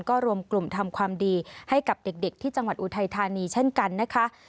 ก็รวมกลุ่มทำความดีให้กับเด็กที่จังหวัดอุทัยธานีเช่นกันนะคะ